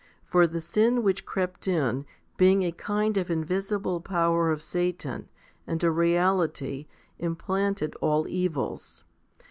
1 For the sin which crept in, being a kind of invisible power of Satan, and a reality, implanted all evils.